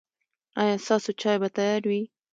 ایا ستاسو چای به تیار وي؟